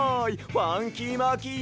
ファンキーマーキー